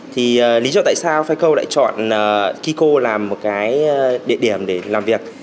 thì lý do tại sao fico lại chọn kiko làm một cái địa điểm để làm việc